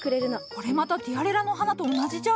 これまたティアレラの花と同じじゃ。